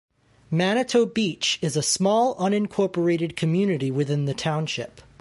Manitou Beach is a small unincorporated community within the township.